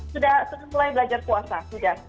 sudah mulai belajar puasa sudah